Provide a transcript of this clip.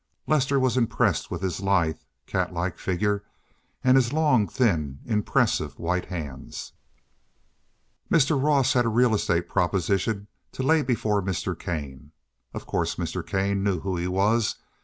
Lester was impressed with his lithe, cat like figure, and his long, thin, impressive white hands. Mr. Ross had a real estate proposition to lay before Mr. Kane. Of course Mr. Kane knew who he was.